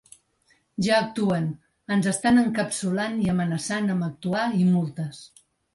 Ja actuen, ens estan encapsulant i amenaçant amb actuar i multes.